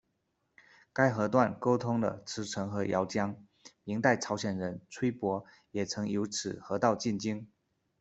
该河段沟通了慈城和姚江，明代朝鲜人崔溥也曾由此河道进京。